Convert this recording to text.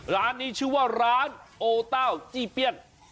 ร้านนี้ชื่อว่าร้านโอเต้าจี้เปี้ยน